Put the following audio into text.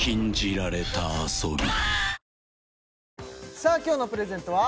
さあ今日のプレゼントは？